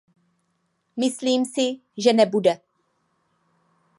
Myslím si, že nebude.